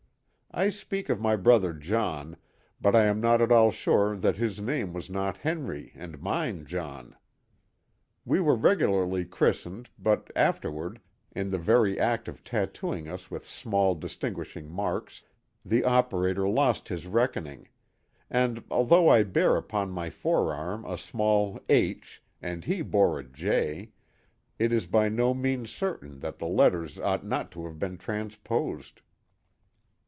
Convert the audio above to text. I speak of my brother John, but I am not at all sure that his name was not Henry and mine John. We were regularly christened, but afterward, in the very act of tattooing us with small distinguishing marks, the operator lost his reckoning; and although I bear upon my forearm a small "H" and he bore a "J," it is by no means certain that the letters ought not to have been transposed.